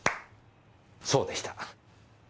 そうでした。